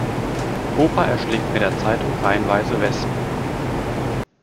Opa erschlägt mit der Zeitung reihenweise Wespen.